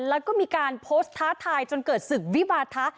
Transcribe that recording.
แล้วก็มีการโพสต์ท้าทายจนเกิดศึกวิวาทะ